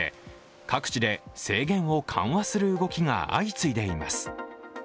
各地で制限を緩和する動きが相次いでいます。